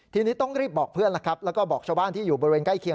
ทีนี้ต้องรีบบอกเพื่อนแล้วครับแล้วก็บอกชาวบ้านที่อยู่บริเวณใกล้เคียง